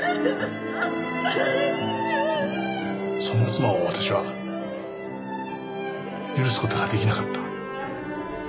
そんな妻を私は許す事ができなかった。